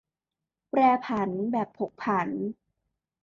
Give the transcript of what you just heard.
แปรผันแบบผกผัน